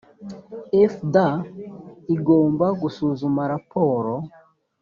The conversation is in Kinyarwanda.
fda igomba gusuzuma raporo